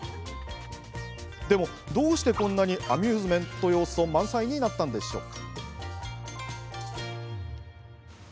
でも、どうしてこんなにアミューズメント要素満載になったんでしょうか？